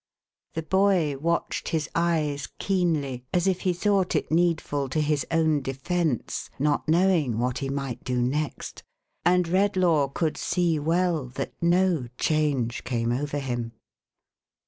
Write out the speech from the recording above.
The boy watched his eyes keenly, as if he thought it needful to his own defence, not knowing what he might do next; and Redlaw could see well that no change came over him.